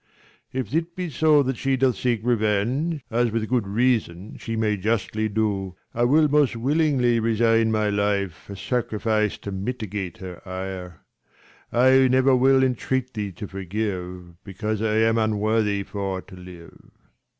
140 If it be so that she doth seek revenge, As with good reason she may justly do, I will most willingly resign my life, A sacrifice to mitigate her ire : Ijnever will entreat thee to forgive, 1 45 Because I am unworthy for to live.